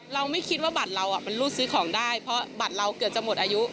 เราไม่คิดว่าบัตรเราเป็นลูกซื้อของได้เพราะบัตรเราเกือบจะหมดอายุ